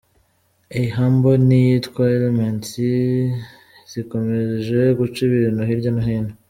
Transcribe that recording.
A’, ’Humble’ n’iyitwa ’Element’ zikomeje guca ibintu hirya no hino.